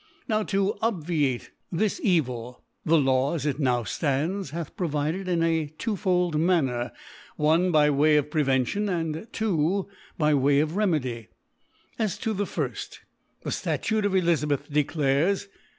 Now to obviate this Evil, the Law» as it now ftands, hath provided in a twofold 3 manner, 6f a ( 131 ) manner, ift. Byway of Prevemion ; and, 2dly^ By way of Remedy. As to the firft, the Statute of Elizabeth declares*.